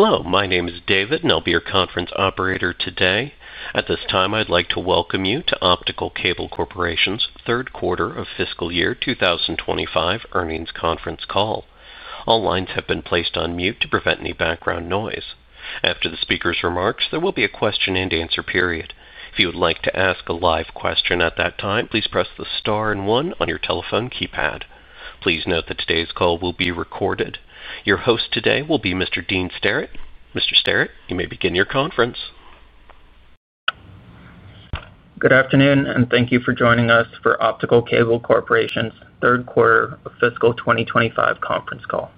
Hello, my name is David, and I'll be your conference operator today. At this time, I'd like to welcome you to Optical Cable Corporation's Third Quarter of Fiscal Year 2025 Earnings Conference Call. All lines have been placed on mute to prevent any background noise. After the speaker's remarks, there will be a question and answer period. If you would like to ask a live question at that time, please press the star and one on your telephone keypad. Please note that today's call will be recorded. Your host today will be Mr. Dean Starrett, and Mr. Starrett, you may begin your conference. Good afternoon, and thank you for joining us for Optical Cable Corporation's Third Quarter of Fiscal 2025 Conference Call.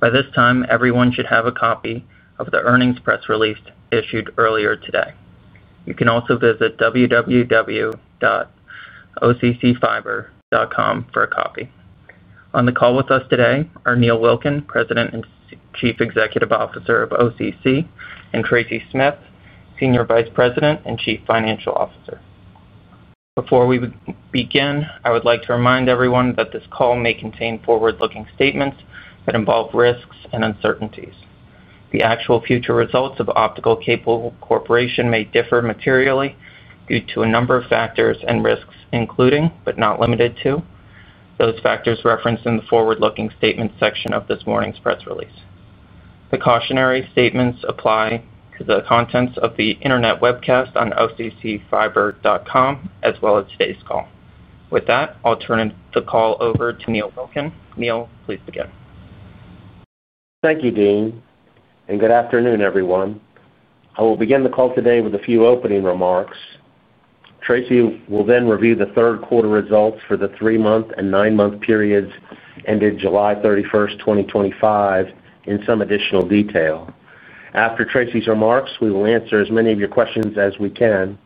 By this time, everyone should have a copy of the earnings press release issued earlier today. You can also visit www.occfiber.com for a copy. On the call with us today are Neil Wilkin, President and Chief Executive Officer of OCC, and Tracy Smith, Senior Vice President and Chief Financial Officer. Before we begin, I would like to remind everyone that this call may contain forward-looking statements that involve risks and uncertainties. The actual future results of Optical Cable Corporation may differ materially due to a number of factors and risks, including, but not limited to, those factors referenced in the forward-looking statement section of this morning's press release. Precautionary statements apply to the contents of the internet webcast on occfiber.com, as well as today's call. With that, I'll turn the call over to Neil Wilkin. Neil, please begin. Thank you, Dean, and good afternoon, everyone. I will begin the call today with a few opening remarks. Tracy will then review the third quarter results for the three-month and nine-month periods ended July 31st, 2025, in some additional detail. After Tracy's remarks, we will answer as many of your questions as we can.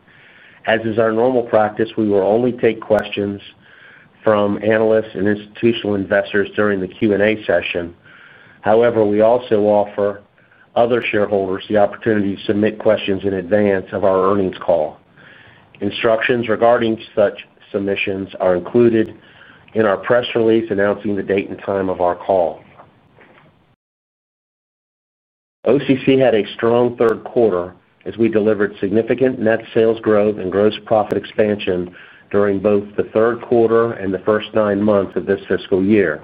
As is our normal practice, we will only take questions from analysts and institutional investors during the Q&A session. However, we also offer other shareholders the opportunity to submit questions in advance of our earnings call. Instructions regarding such submissions are included in our press release announcing the date and time of our call. OCC had a strong third quarter as we delivered significant net sales growth and gross profit expansion during both the third quarter and the first nine months of this fiscal year.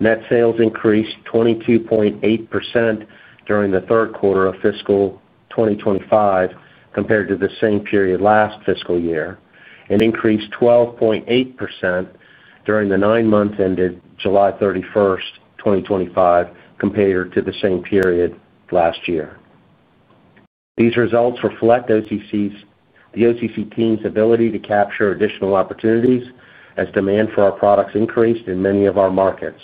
Net sales increased 22.8% during the third quarter of fiscal 2025 compared to the same period last fiscal year, and increased 12.8% during the nine months ended July 31st, 2025, compared to the same period last year. These results reflect the OCC team's ability to capture additional opportunities as demand for our products increased in many of our markets.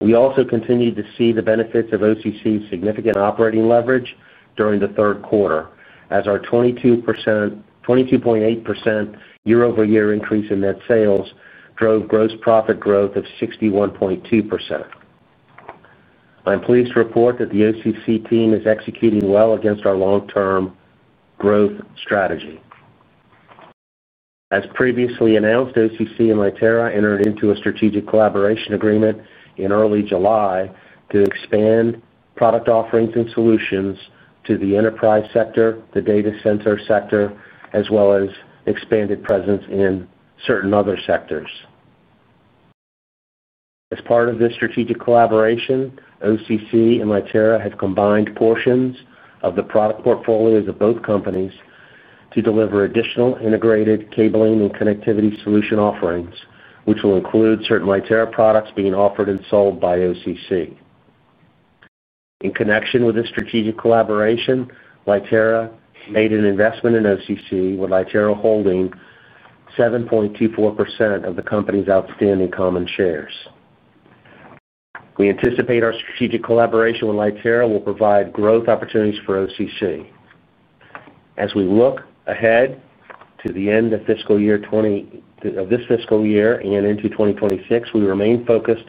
We also continued to see the benefits of OCC's significant operating leverage during the third quarter, as our 22.8% year-over-year increase in net sales drove gross profit growth of 61.2%. I'm pleased to report that the OCC team is executing well against our long-term growth strategy. As previously announced, OCC and Lightera entered into a strategic collaboration agreement in early July to expand product offerings and solutions to the enterprise sector, the data center sector, as well as expanded presence in certain other sectors. As part of this strategic collaboration, OCC and Lightera have combined portions of the product portfolios of both companies to deliver additional integrated cabling and connectivity solution offerings, which will include certain Lightera products being offered and sold by OCC. In connection with this strategic collaboration, Lightera made an investment in OCC, with Lightera holding 7.24% of the company's outstanding common shares. We anticipate our strategic collaboration with Lightera will provide growth opportunities for OCC. As we look ahead to the end of this fiscal year and into 2026, we remain focused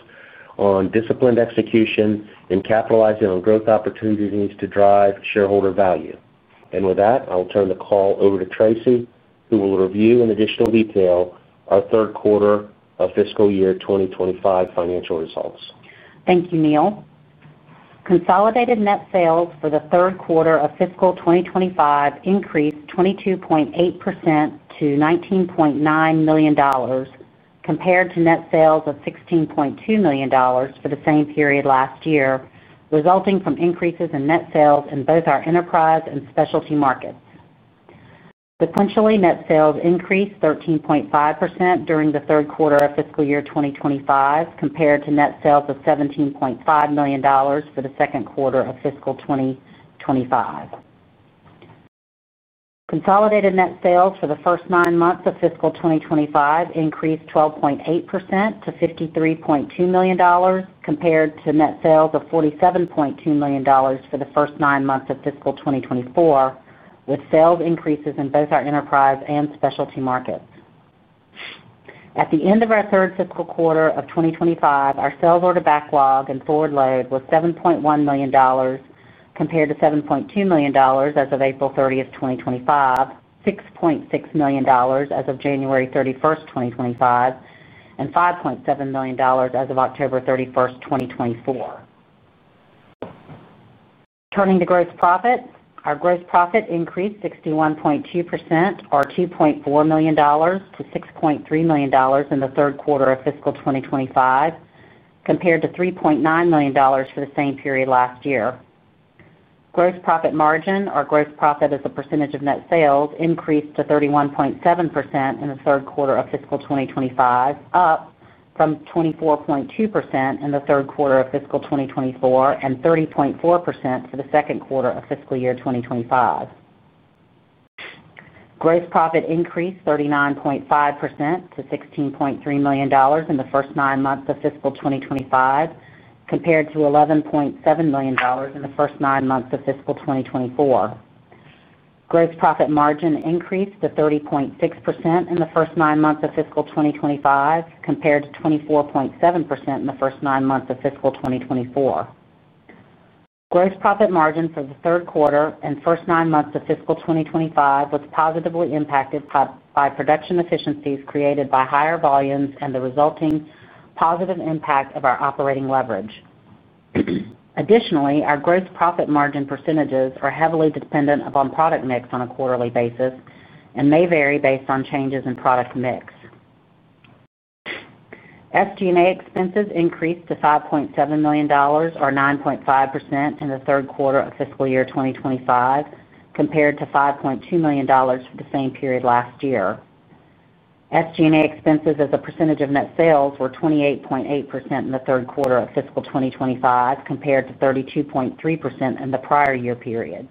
on disciplined execution and capitalizing on growth opportunities to drive shareholder value. With that, I will turn the call over to Tracy, who will review in additional detail our third quarter of fiscal year 2025 financial results. Thank you, Neil. Consolidated net sales for the third quarter of fiscal 2025 increased 22.8% to $19.9 million compared to net sales of $16.2 million for the same period last year, resulting from increases in net sales in both our enterprise and specialty markets. Sequentially, net sales increased 13.5% during the third quarter of fiscal year 2025 compared to net sales of $17.5 million for the second quarter of fiscal 2025. Consolidated net sales for the first nine months of fiscal 2025 increased 12.8% to $53.2 million compared to net sales of $47.2 million for the first nine months of fiscal 2024, with sales increases in both our enterprise and specialty markets. At the end of our third fiscal quarter of 2025, our sales order backlog and forward load was $7.1 million compared to $7.2 million as of April 30th, 2025, $6.6 million as of January 31st 2025, and $5.7 million as of October 31st, 2024. Turning to gross profit, our gross profit increased 61.2% or $2.4 million-$6.3 million in the third quarter of fiscal 2025 compared to $3.9 million for the same period last year. Gross profit margin, or gross profit as a percentage of net sales, increased to 31.7% in the third quarter of fiscal 2025, up from 24.2% in the third quarter of fiscal 2024 and 30.4% for the second quarter of fiscal year 2025. Gross profit increased 39.5% to $16.3 million in the first nine months of fiscal 2025 compared to $11.7 million in the first nine months of fiscal 2024. Gross profit margin increased to 30.6% in the first nine months of fiscal 2025 compared to 24.7% in the first nine months of fiscal 2024. Gross profit margin for the third quarter and first nine months of fiscal 2025 was positively impacted by production efficiencies created by higher volumes and the resulting positive impact of our operating leverage. Additionally, our gross profit margin percentages are heavily dependent upon product mix on a quarterly basis and may vary based on changes in product mix. SG&A expenses increased to $5.7 million or 9.5% in the third quarter of fiscal year 2025 compared to $5.2 million for the same period last year. SG&A expenses as a percentage of net sales were 28.8% in the third quarter of fiscal 2025 compared to 32.3% in the prior year period.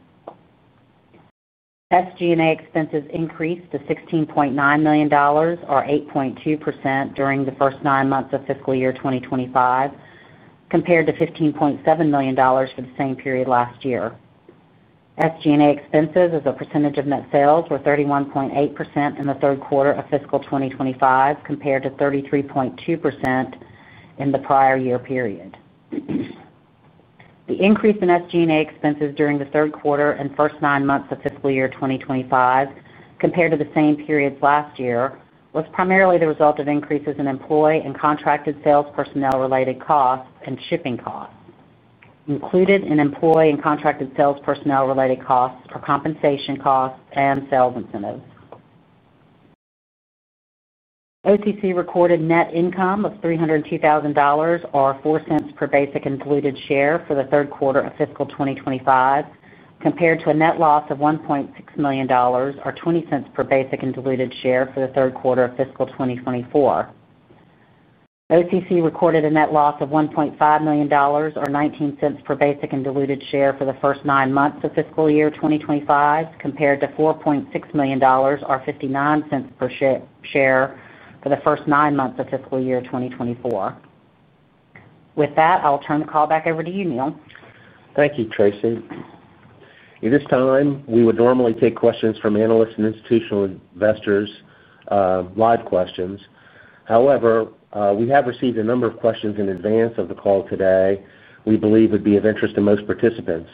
SG&A expenses increased to $16.9 million or 8.2% during the first nine months of fiscal year 2025 compared to $15.7 million for the same period last year. SG&A expenses as a percentage of net sales were 31.8% in the third quarter of fiscal 2025 compared to 33.2% in the prior year period. The increase in SG&A expenses during the third quarter and first nine months of fiscal year 2025 compared to the same periods last year was primarily the result of increases in employee and contracted sales personnel-related costs and shipping costs, included in employee and contracted sales personnel-related costs for compensation costs and sales incentives. OCC recorded net income of $302,000 or $0.04 per basic and diluted share for the third quarter of fiscal 2025 compared to a net loss of $1.6 million or $0.20 per basic and diluted share for the third quarter of fiscal 2024. OCC recorded a net loss of $1.5 million or $0.19 per basic and diluted share for the first nine months of fiscal year 2025 compared to $4.6 million or $0.59 per share for the first nine months of fiscal year 2024. With that, I'll turn the call back over to you, Neil. Thank you, Tracy. At this time, we would normally take questions from analysts and institutional investors, live questions. However, we have received a number of questions in advance of the call today we believe would be of interest to most participants.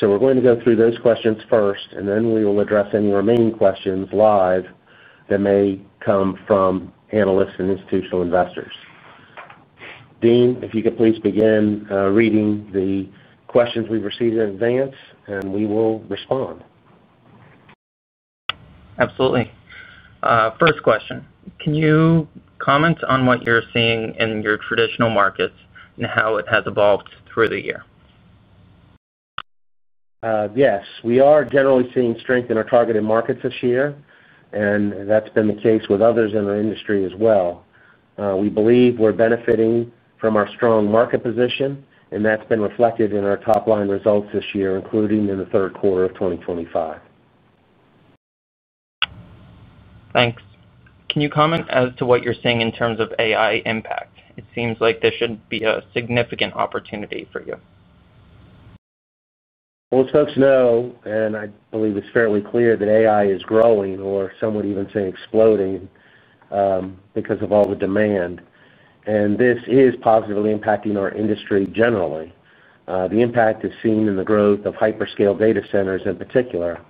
We are going to go through those questions first, and then we will address any remaining questions live that may come from analysts and institutional investors. Dean, if you could please begin reading the questions we've received in advance, we will respond. Absolutely. First question, can you comment on what you are seeing in your traditional markets and how it has evolved through the year? Yes, we are generally seeing strength in our targeted markets this year, and that's been the case with others in our industry as well. We believe we're benefiting from our strong market position, and that's been reflected in our top-line results this year, including in the third quarter of 2025. Thanks. Can you comment as to what you're seeing in terms of AI impact? It seems like there should be a significant opportunity for you. As folks know, and I believe it's fairly clear that AI is growing, or some would even say exploding, because of all the demand. This is positively impacting our industry generally. The impact is seen in the growth of hyperscale data centers in particular.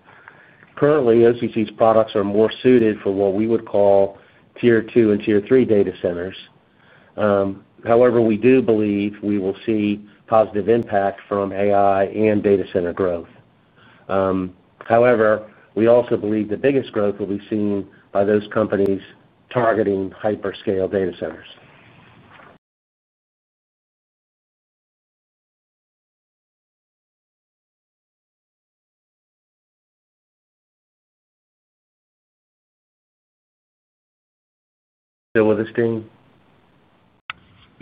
Currently, OCC's products are more suited for what we would call tier two and tier three data centers. However, we do believe we will see positive impact from AI and data center growth. However, we also believe the biggest growth will be seen by those companies targeting hyperscale data centers. Deal with this, Dean?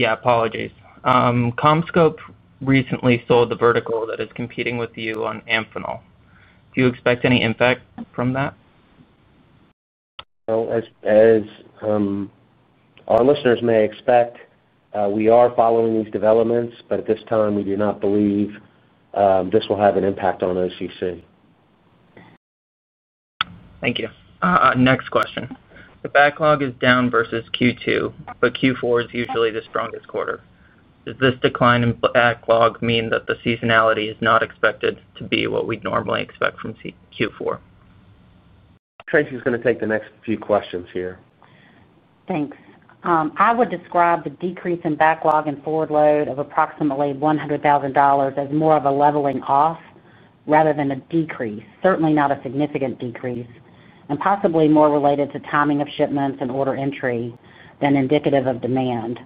Apologies. CommScope recently sold the vertical that is competing with you to Amphenol. Do you expect any impact from that? As our listeners may expect, we are following these developments, but at this time, we do not believe this will have an impact on OCC. Thank you. Next question. The backlog is down versus Q2, but Q4 is usually the strongest quarter. Does this decline in backlog mean that the seasonality is not expected to be what we'd normally expect from Q4? Tracy is going to take the next few questions here. Thanks. I would describe the decrease in backlog and forward load of approximately $100,000 as more of a leveling off rather than a decrease, certainly not a significant decrease, and possibly more related to timing of shipments and order entry than indicative of demand.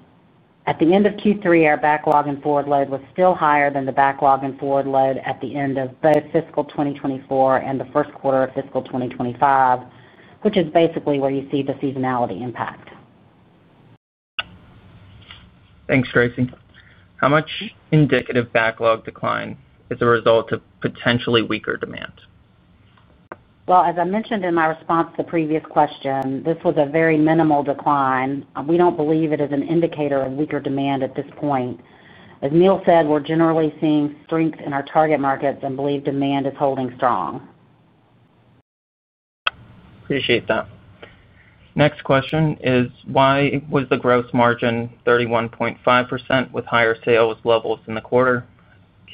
At the end of Q3, our backlog and forward load was still higher than the backlog and forward load at the end of both fiscal 2024 and the first quarter of fiscal 2025, which is basically where you see the seasonality impact. Thanks, Tracy. How much indicative backlog decline is a result of potentially weaker demand? As I mentioned in my response to the previous question, this was a very minimal decline. We don't believe it is an indicator of weaker demand at this point. As Neil Wilkin said, we're generally seeing strength in our target markets and believe demand is holding strong. Appreciate that. Next question is, why was the gross margin 31.5% with higher sales levels in the quarter,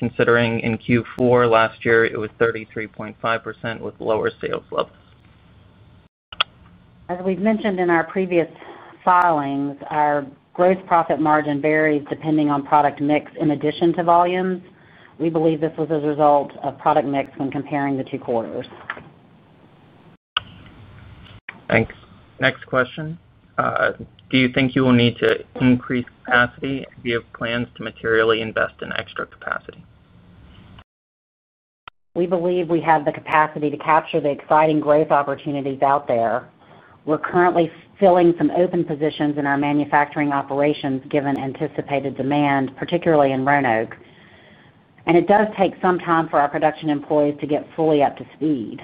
considering in Q4 last year it was 33.5% with lower sales levels? As we've mentioned in our previous filings, our gross profit margin varies depending on product mix in addition to volume. We believe this was a result of product mix when comparing the two quarters. Thanks. Next question. Do you think you will need to increase capacity, and do you have plans to materially invest in extra capacity? We believe we have the capacity to capture the exciting growth opportunities out there. We're currently filling some open positions in our manufacturing operations given anticipated demand, particularly in Roanoke. It does take some time for our production employees to get fully up to speed.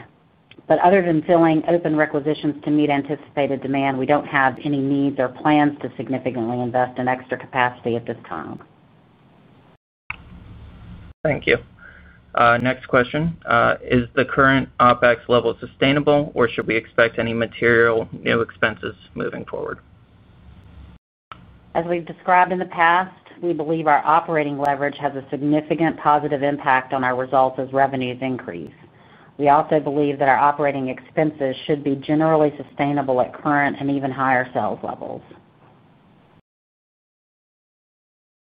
Other than filling open requisitions to meet anticipated demand, we don't have any needs or plans to significantly invest in extra capacity at this time. Thank you. Next question. Is the current OpEx level sustainable, or should we expect any material new expenses moving forward? As we've described in the past, we believe our operating leverage has a significant positive impact on our results as revenues increase. We also believe that our operating expenses should be generally sustainable at current and even higher sales levels.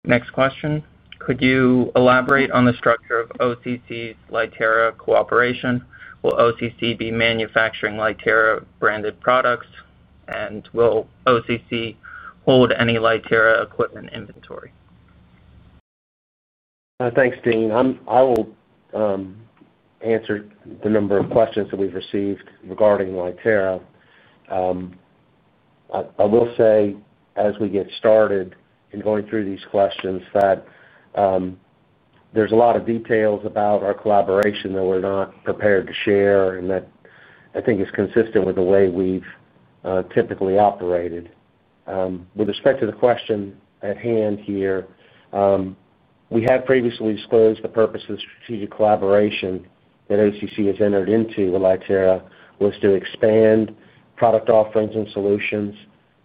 Next question. Could you elaborate on the structure of OCC-Lightera cooperation? Will OCC be manufacturing Lightera-branded products, and will OCC hold any Lightera equipment inventory? Thanks, Dean. I will answer the number of questions that we've received regarding Lightera. I will say, as we get started in going through these questions, that there's a lot of details about our collaboration that we're not prepared to share, and that I think is consistent with the way we've typically operated. With respect to the question at hand here, we had previously disclosed the purpose of strategic collaboration that OCC has entered into with Lightera was to expand product offerings and solutions,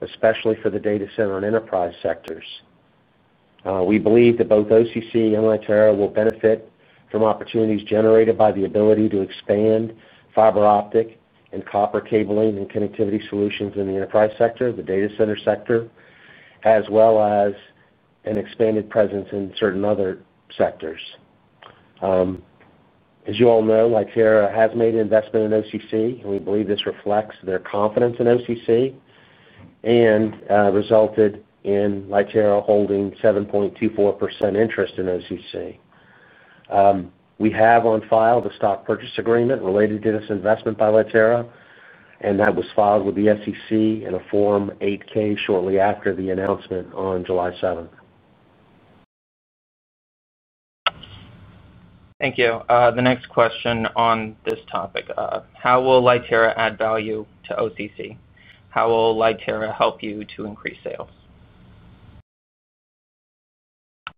especially for the data center and enterprise sectors. We believe that both OCC and Lightera will benefit from opportunities generated by the ability to expand fiber optic and copper cabling and connectivity solutions in the enterprise sector, the data center sector, as well as an expanded presence in certain other sectors. As you all know, Lightera has made an investment in OCC, and we believe this reflects their confidence in OCC and resulted in Lightera holding 7.24% interest in OCC. We have on file the stock purchase agreement related to this investment by Lightera, and that was filed with the SEC in a Form 8K shortly after the announcement on July 7th. Thank you. The next question on this topic: how will Lightera add value to OCC? How will Lightera help you to increase sales?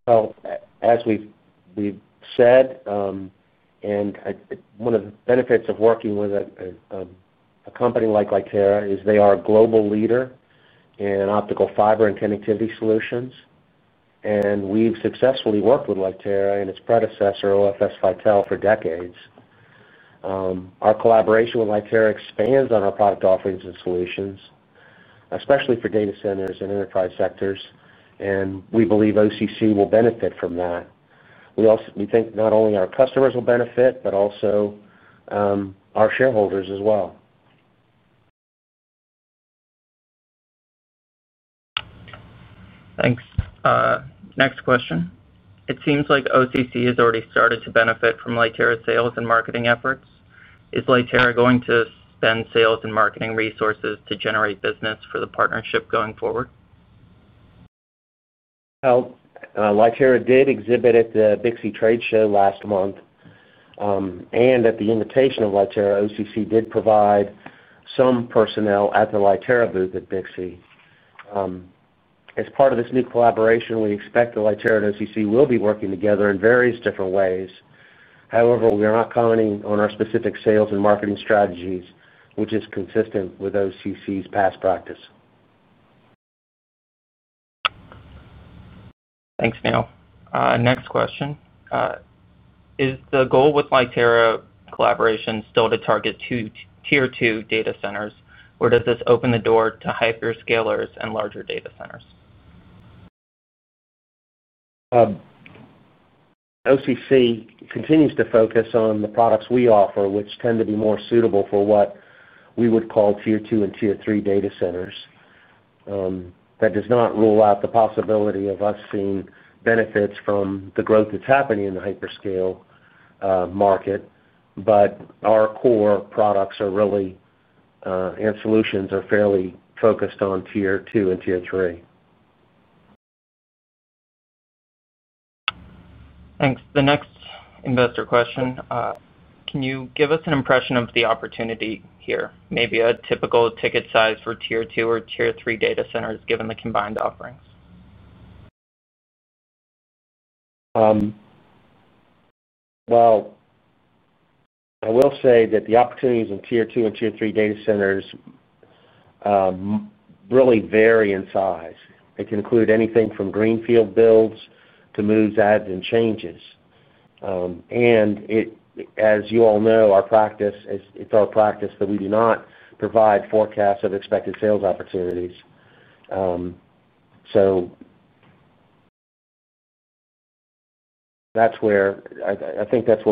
As we've said, one of the benefits of working with a company like Lightera is they are a global leader in optical fiber and connectivity solutions. We've successfully worked with Lightera and its predecessor, OFS FITEL, for decades. Our collaboration with Lightera expands on our product offerings and solutions, especially for data centers and enterprise sectors, and we believe OCC will benefit from that. We also think not only our customers will benefit, but also our shareholders as well. Thanks. Next question. It seems like OCC has already started to benefit from Lightera's sales and marketing efforts. Is Lightera going to spend sales and marketing resources to generate business for the partnership going forward? Lightera did exhibit at the Bixie Trade Show last month. At the invitation of Lightera, OCC did provide some personnel at the Lightera booth at Bixie. As part of this new collaboration, we expect that Lightera and OCC will be working together in various different ways. However, we are not commenting on our specific sales and marketing strategies, which is consistent with OCC's past practice. Thanks, Neil. Next question. Is the goal with Lightera collaboration still to target tier two data centers, or does this open the door to hyperscalers and larger data centers? OCC continues to focus on the products we offer, which tend to be more suitable for what we would call tier two and tier three data centers. That does not rule out the possibility of us seeing benefits from the growth that's happening in the hyperscale market, but our core products and solutions are fairly focused on tier two and tier three. Thanks. The next investor question: can you give us an impression of the opportunity here, maybe a typical ticket size for Tier-2 or Tier-3 data centers given the combined offerings? The opportunities in Tier-2 and Tier-3 data centers really vary in size. It can include anything from greenfield builds to moves, adds, and changes. As you all know, it's our practice that we do not provide forecasts of expected sales opportunities. That's what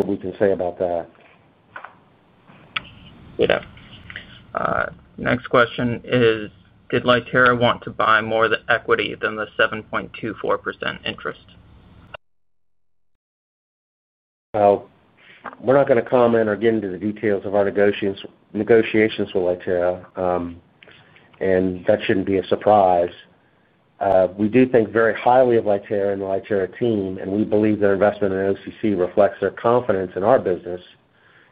we can say about that. Next question is, did Lightera want to buy more of the equity than the 7.24% interest? We're not going to comment or get into the details of our negotiations with Lightera, and that shouldn't be a surprise. We do think very highly of Lightera and the Lightera team, and we believe their investment in OCC reflects their confidence in our business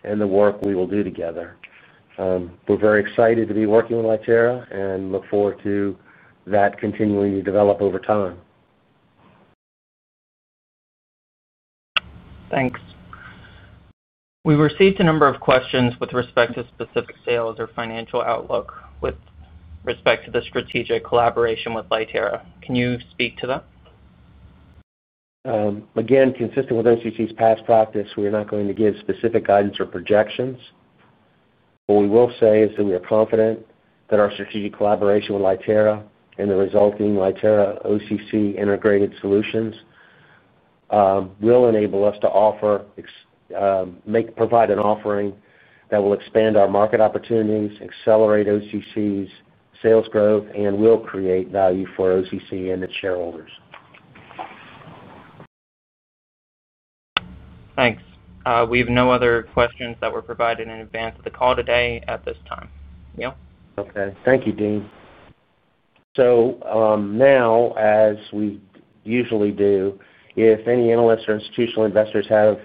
and the work we will do together. We're very excited to be working with Lightera and look forward to that continuing to develop over time. Thanks. We received a number of questions with respect to specific sales or financial outlook with respect to the strategic collaboration with Lightera. Can you speak to that? Again, consistent with OCC's past practice, we are not going to give specific guidance or projections. What we will say is that we are confident that our strategic collaboration with Lightera and the resulting Lightera OCC integrated solutions will enable us to provide an offering that will expand our market opportunities, accelerate OCC's sales growth, and will create value for OCC and its shareholders. Thanks. We have no other questions that were provided in advance of the call today at this time. Neil? Okay. Thank you, Dean. As we usually do, if any analysts or institutional investors have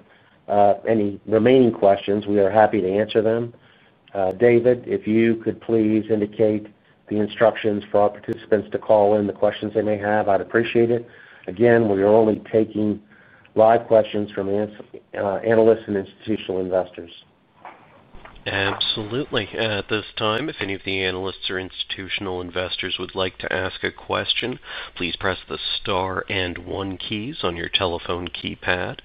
any remaining questions, we are happy to answer them. David, if you could please indicate the instructions for our participants to call in the questions they may have, I'd appreciate it. Again, we are only taking live questions from analysts and institutional investors. Absolutely. At this time, if any of the analysts or institutional investors would like to ask a question, please press the star and one keys on your telephone keypad.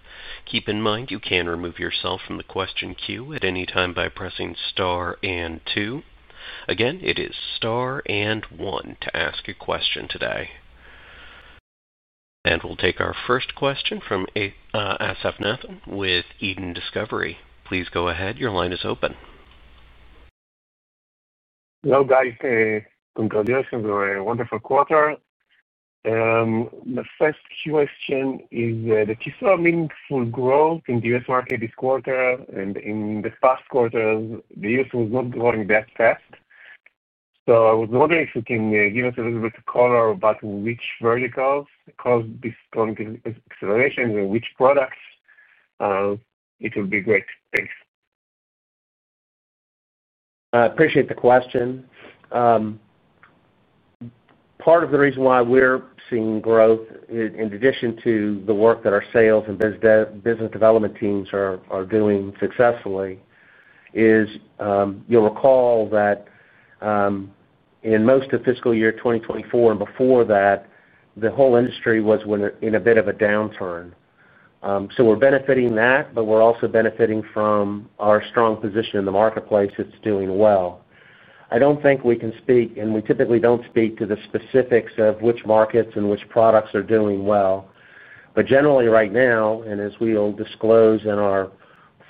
Keep in mind you can remove yourself from the question queue at any time by pressing star and two. Again, it is star and one to ask a question today. We will take our first question from SFNet with Eden Discovery. Please go ahead. Your line is open. Hello, guys. Congratulations on a wonderful quarter. My first question is, the key to our meaningful growth in the U.S. market this quarter and in the past quarters, the U.S. was not growing that fast. I was wondering if you can give us a little bit of color about which verticals caused this acceleration and which products. It would be great, thanks. I appreciate the question. Part of the reason why we're seeing growth, in addition to the work that our sales and business development teams are doing successfully, is you'll recall that in most of fiscal year 2024 and before that, the whole industry was in a bit of a downturn. We're benefiting from that, but we're also benefiting from our strong position in the marketplace that's doing well. I don't think we can speak, and we typically don't speak to the specifics of which markets and which products are doing well. Generally, right now, and as we'll disclose in our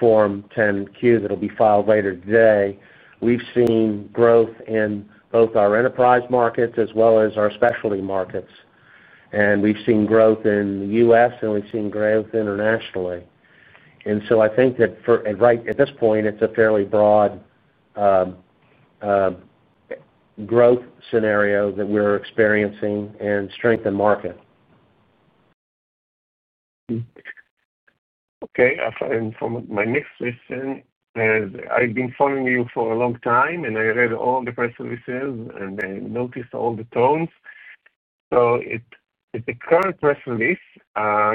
Form 10-Q that'll be filed later today, we've seen growth in both our enterprise markets as well as our specialty markets. We've seen growth in the U.S., and we've seen growth internationally. I think that for right at this point, it's a fairly broad growth scenario that we're experiencing and strength in the market. Okay. I'll follow up my next question. I've been following you for a long time, and I read all the press releases and I noticed all the tones. In the current press release,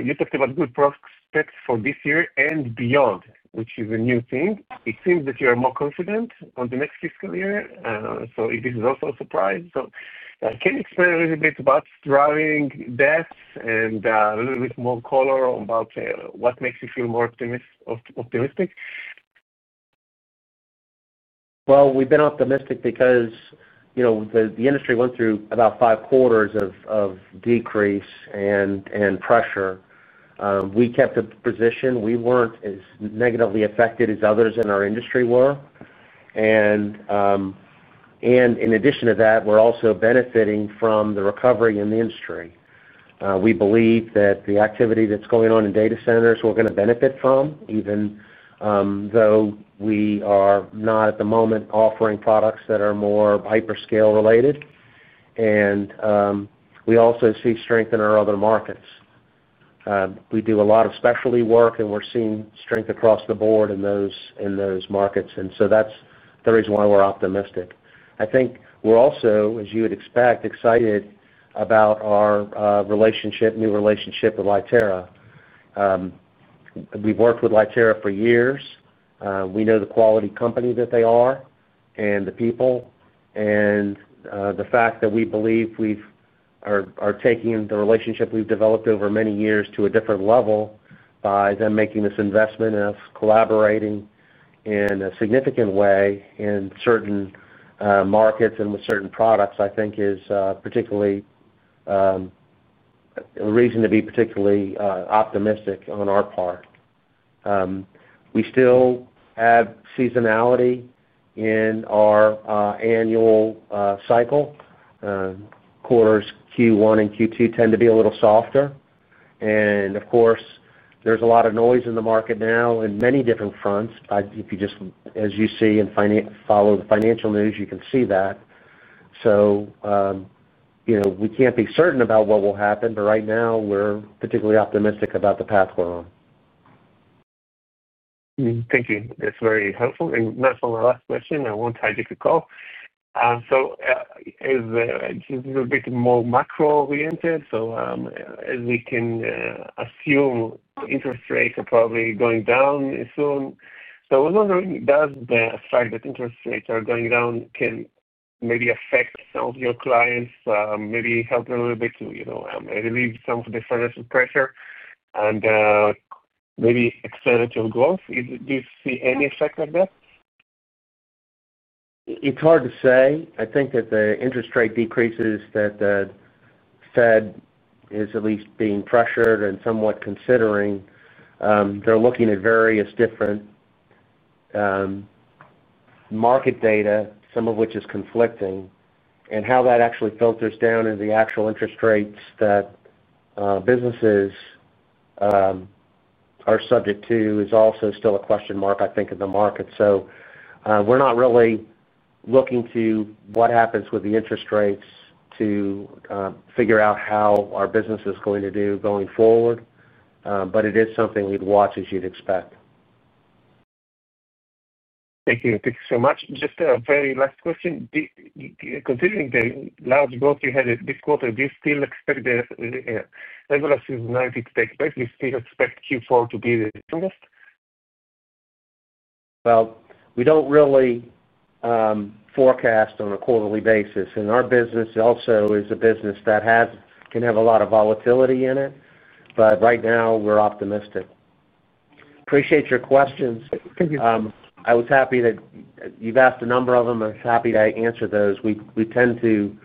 you talked about good prospects for this year and beyond, which is a new thing. It seems that you are more confident on the next fiscal year. This is also a surprise. Can you explain a little bit about driving this and a little bit more color about what makes you feel more optimistic? We've been optimistic because, you know, the industry went through about five quarters of decrease and pressure. We kept a position. We weren't as negatively affected as others in our industry were. In addition to that, we're also benefiting from the recovery in the industry. We believe that the activity that's going on in data centers we're going to benefit from, even though we are not at the moment offering products that are more hyperscale related. We also see strength in our other markets. We do a lot of specialty work, and we're seeing strength across the board in those markets. That's the reason why we're optimistic. I think we're also, as you would expect, excited about our relationship, new relationship with Lightera. We've worked with Lightera for years. We know the quality company that they are and the people. The fact that we believe we are taking the relationship we've developed over many years to a different level by them making this investment and us collaborating in a significant way in certain markets and with certain products, I think is particularly a reason to be particularly optimistic on our part. We still have seasonality in our annual cycle. Quarters Q1 and Q2 tend to be a little softer. Of course, there's a lot of noise in the market now in many different fronts. If you just, as you see and follow the financial news, you can see that. You know we can't be certain about what will happen, but right now, we're particularly optimistic about the path we're on. Thank you. That's very helpful. That's my last question. I won't hide it at all. This is a little bit more macro-oriented. As we can assume, interest rates are probably going down soon. I was wondering, does the fact that interest rates are going down maybe affect some of your clients, maybe help them a little bit to relieve some of the financial pressure and maybe expand into growth? Do you see any effect of that? It's hard to say. I think that the interest rate decreases that the Fed is at least being pressured and somewhat considering. They're looking at various different market data, some of which is conflicting. How that actually filters down into the actual interest rates that businesses are subject to is also still a question mark, I think, in the market. We're not really looking to what happens with the interest rates to figure out how our business is going to do going forward. It is something we'd watch, as you'd expect. Thank you. Thank you so much. Just a very last question. Considering the large growth we had this quarter, do you still expect the level of seasonality to take place? Do you still expect Q4 to be the strongest? We do not really forecast on a quarterly basis, and our business also is a business that can have a lot of volatility in it. Right now, we're optimistic. Appreciate your questions. Thank you. I was happy that you've asked a number of them. I was happy to answer those. We tend to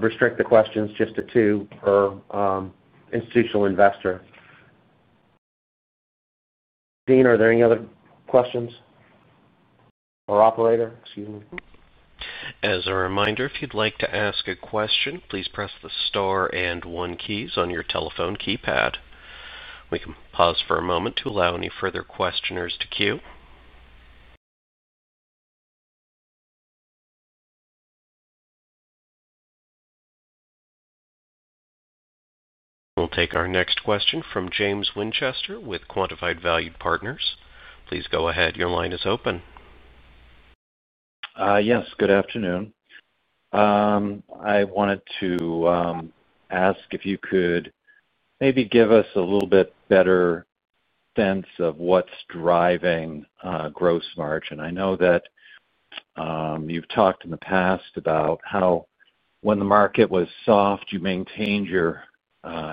restrict the questions just to two per institutional investor. Dean, are there any other questions, or operator, excuse me. As a reminder, if you'd like to ask a question, please press the star and one keys on your telephone keypad. We can pause for a moment to allow any further questioners to queue. We'll take our next question from James Winchester with Quantified Valued Partners. Please go ahead. Your line is open. Yes. Good afternoon. I wanted to ask if you could maybe give us a little bit better sense of what's driving gross margin. I know that you've talked in the past about how when the market was soft, you maintained your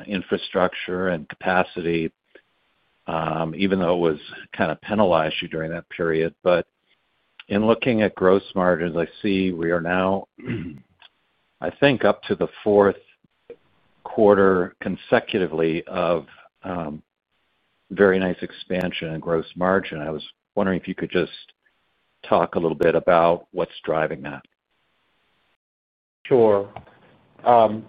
infrastructure and capacity, even though it kind of penalized you during that period. In looking at gross margins, I see we are now, I think, up to the fourth quarter consecutively of very nice expansion in gross margin. I was wondering if you could just talk a little bit about what's driving that. Sure. There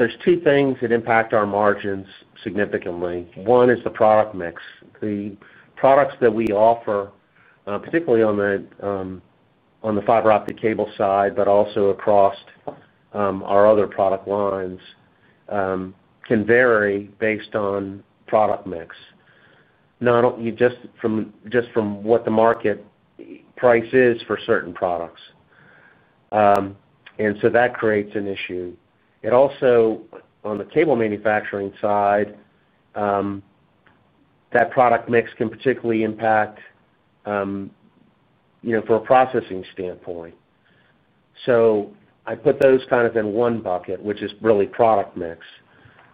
are two things that impact our margins significantly. One is the product mix. The products that we offer, particularly on the fiber optic cable side, but also across our other product lines, can vary based on product mix, not only just from what the market price is for certain products, and that creates an issue. It also, on the cable manufacturing side, that product mix can particularly impact, you know, from a processing standpoint. I put those kind of in one bucket, which is really product mix.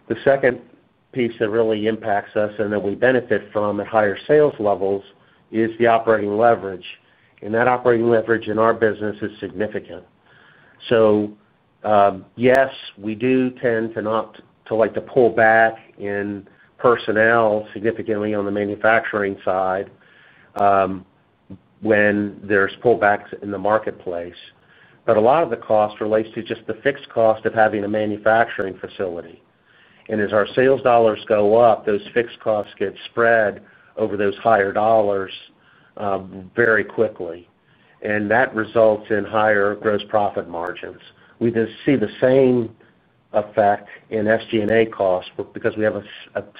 The second piece that really impacts us and that we benefit from at higher sales levels is the operating leverage. That operating leverage in our business is significant. Yes, we do tend not to like to pull back in personnel significantly on the manufacturing side when there's pullbacks in the marketplace. A lot of the cost relates to just the fixed cost of having a manufacturing facility, and as our sales dollars go up, those fixed costs get spread over those higher dollars very quickly. That results in higher gross profit margins. We then see the same effect in SG&A costs because we have a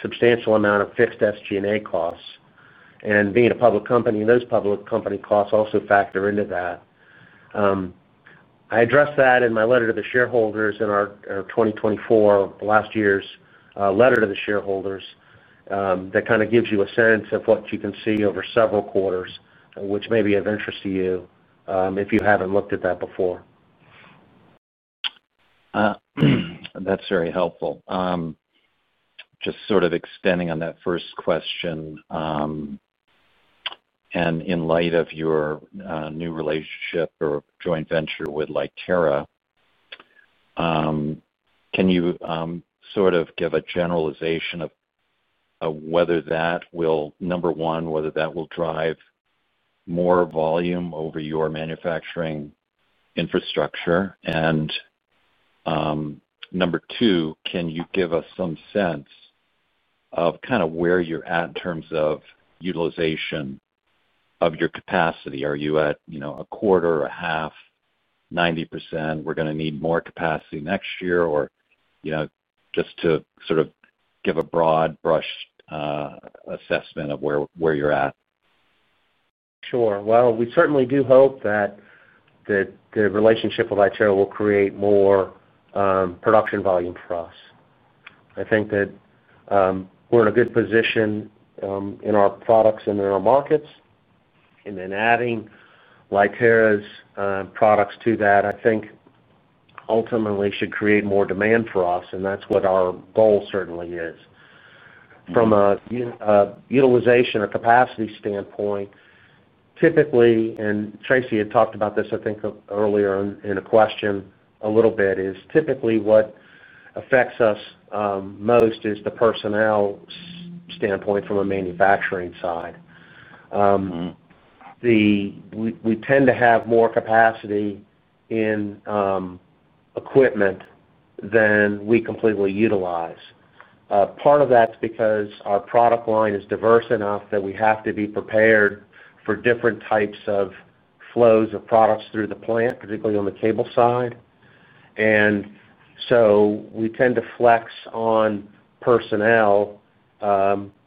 substantial amount of fixed SG&A costs. Being a public company, those public company costs also factor into that. I addressed that in my letter to the shareholders in our 2024, last year's letter to the shareholders that kind of gives you a sense of what you can see over several quarters, which may be of interest to you if you haven't looked at that before. That's very helpful. Just sort of extending on that first question. In light of your new relationship or joint venture with Lightera, can you sort of give a generalization of whether that will, number one, whether that will drive more volume over your manufacturing infrastructure? Number two, can you give us some sense of kind of where you're at in terms of utilization of your capacity? Are you at, you know, a quarter or a half, 90%? Are you going to need more capacity next year, or, you know, just to sort of give a broad brush assessment of where you're at? Sure. We certainly do hope that the relationship with Lightera will create more production volume for us. I think that we're in a good position in our products and in our markets. Adding Lightera's products to that, I think, ultimately should create more demand for us, and that's what our goal certainly is. From a utilization or capacity standpoint, typically, and Tracy had talked about this, I think, earlier in a question a little bit, is typically what affects us most is the personnel standpoint from a manufacturing side. We tend to have more capacity in equipment than we completely utilize. Part of that's because our product line is diverse enough that we have to be prepared for different types of flows of products through the plant, particularly on the cable side. We tend to flex on personnel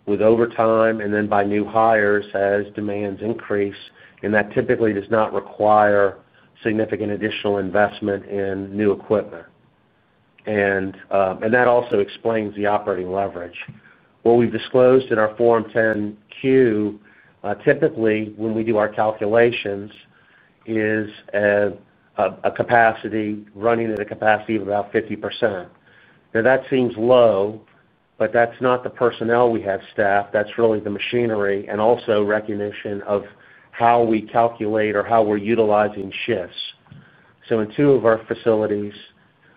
with overtime and then by new hires as demands increase. That typically does not require significant additional investment in new equipment. That also explains the operating leverage. What we've disclosed in our Form 10-Q, typically, when we do our calculations, is a capacity running at a capacity of about 50%. Now, that seems low, but that's not the personnel we have staffed. That's really the machinery and also recognition of how we calculate or how we're utilizing shifts. In two of our facilities,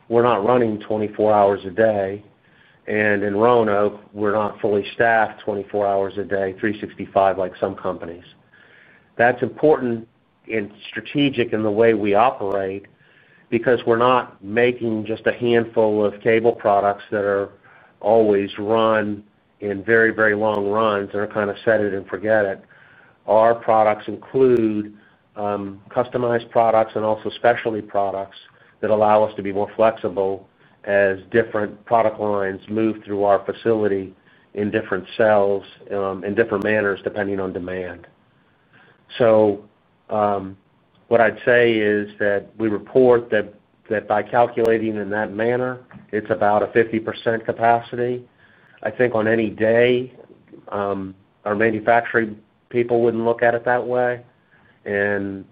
we're not running 24 hours a day. In Roanoke, we're not fully staffed 24 hours a day, 365 like some companies. That's important and strategic in the way we operate because we're not making just a handful of cable products that are always run in very, very long runs and are kind of set it and forget it. Our products include customized products and also specialty products that allow us to be more flexible as different product lines move through our facility in different cells in different manners depending on demand. What I'd say is that we report that by calculating in that manner, it's about a 50% capacity. I think on any day, our manufacturing people wouldn't look at it that way,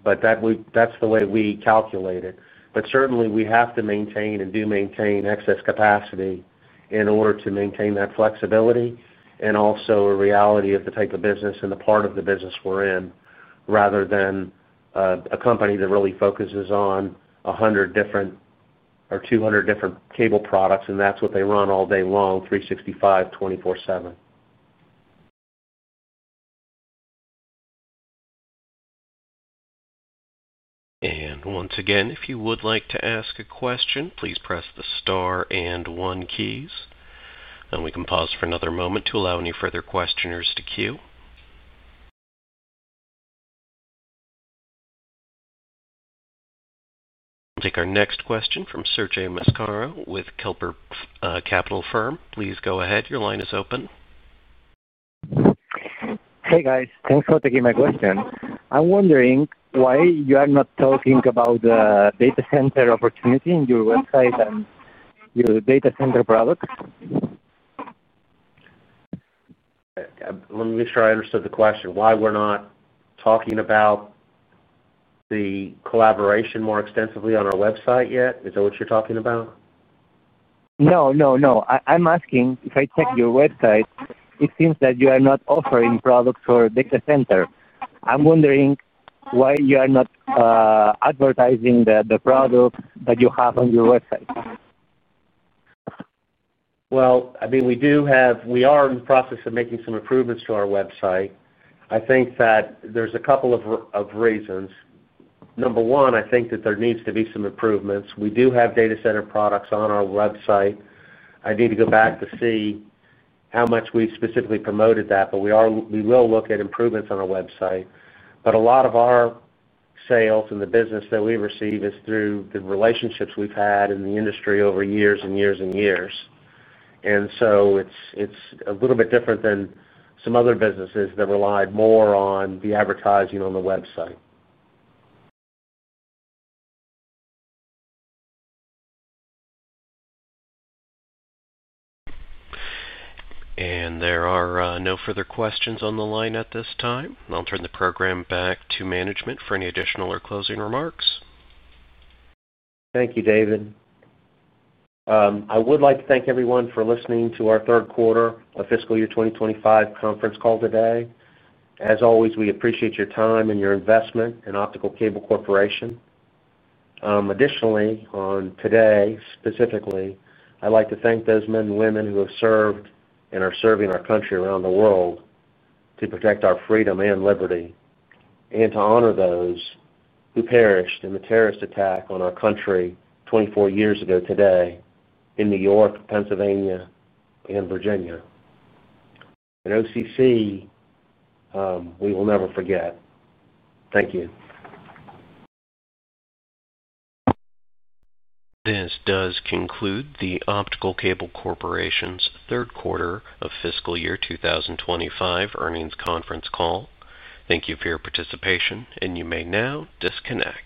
but that's the way we calculate it. Certainly, we have to maintain and do maintain excess capacity in order to maintain that flexibility and also a reality of the type of business and the part of the business we're in, rather than a company that really focuses on 100 different or 200 different cable products, and that's what they run all day long, 365/24/7. If you would like to ask a question, please press the star and one keys. We can pause for another moment to allow any further questioners to queue. We'll take our next question from Sergey Miskara with Kepler Capital Firm. Please go ahead. Your line is open. Hey, guys. Thanks for taking my question. I'm wondering why you are not talking about the Data Center opportunity on your website and your data center products. Let me make sure I understood the question. Why we're not talking about the collaboration more extensively on our website yet? Is that what you're talking about? I'm asking, if I check your website, it seems that you are not offering products for Data Center. I'm wondering why you are not advertising the product that you have on your website. We do have, we are in the process of making some improvements to our website. I think that there's a couple of reasons. Number one, I think that there needs to be some improvements. We do have data center products on our website. I'd need to go back to see how much we've specifically promoted that, but we are, we will look at improvements on our website. A lot of our sales in the business that we receive is through the relationships we've had in the industry over years and years and years. It's a little bit different than some other businesses that relied more on the advertising on the website. There are no further questions on the line at this time. I'll turn the program back to management for any additional or closing remarks. Thank you, David. I would like to thank everyone for listening to our Third Quarter of Fiscal Year 2025 Conference Call today. As always, we appreciate your time and your investment in Optical Cable Corporation. Additionally, today, I'd like to thank those men and women who have served and are serving our country around the world to protect our freedom and liberty and to honor those who perished in the terrorist attack on our country 24 years ago today in New York, Pennsylvania, and Virginia. At OCC, we will never forget. Thank you. This does conclude the Optical Cable Corporation's Third Quarter of Fiscal Year 2025 Earnings Conference Call. Thank you for your participation, and you may now disconnect.